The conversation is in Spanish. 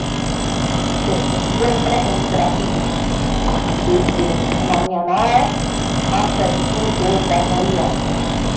Se encuentra en el Brasil: desde Maranhão hasta el sur de Bahía.